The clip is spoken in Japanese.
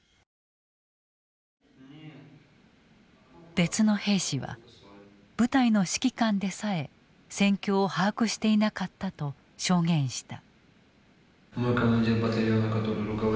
別の兵士は部隊の指揮官でさえ戦況を把握していなかったと証言した。